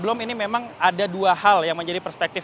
belum ini memang ada dua hal yang menjadi perspektif